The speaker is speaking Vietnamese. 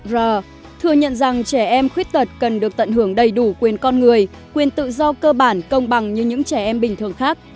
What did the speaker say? r thừa nhận rằng trẻ em khuyết tật cần được tận hưởng đầy đủ quyền con người quyền tự do cơ bản công bằng như những trẻ em bình thường khác